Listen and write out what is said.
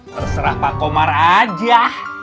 terserah pak komar aja